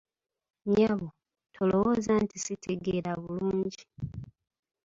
Nnyabo, tolowooza nti sitegeera bulungi.